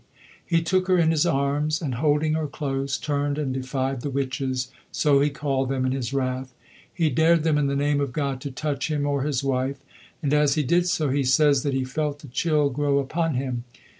He took her in his arms and holding her close turned and defied the "witches" so he called them in his wrath. He dared them in the name of God to touch him or his wife, and as he did so he says that he felt the chill grow upon him.